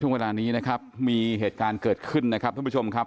ทุกวันนี้มีเหตุการณ์เกิดขึ้นท่านผู้ชมครับ